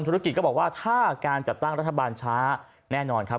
ธุรกิจก็บอกว่าถ้าการจัดตั้งรัฐบาลช้าแน่นอนครับ